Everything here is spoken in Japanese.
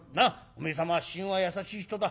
おめえ様はしんは優しい人だ。